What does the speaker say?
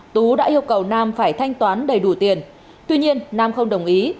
tú đã yêu cầu nam phải thanh toán đầy đủ tiền tuy nhiên nam không đồng ý